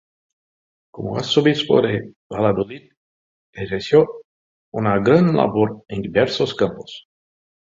Como Arzobispo de Valladolid, ejerció una gran labor en diversos campos.